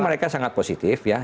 mereka sangat positif ya